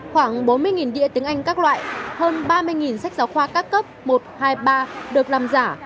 khoảng bốn mươi đĩa tiếng anh các loại hơn ba mươi sách giáo khoa các cấp một hai mươi ba được làm giả